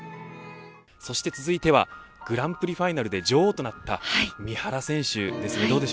そして続いてはグランプリファイナルで女王となった三原選手ですね